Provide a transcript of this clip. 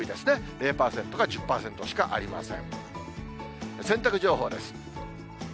０％か１０％しかありません。